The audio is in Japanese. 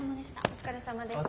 お疲れさまでした。